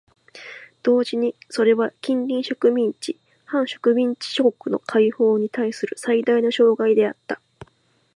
同時にそれは近隣植民地・半植民地諸国の解放にたいする最大の障害であった。